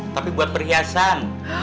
tapi buat perhiasan